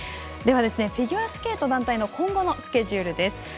フィギュアスケート団体の今後のスケジュールです。